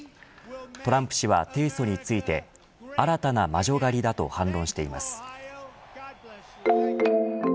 トランプ氏は提訴について新たな魔女狩りだと反論しています。